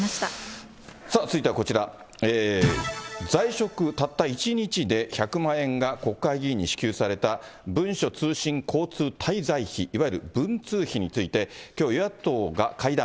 続いてはこちら、在職たった１日で、１００万円が国会議員に支給された文書通信交通滞在費、いわゆる文通費について、きょう与野党が会談。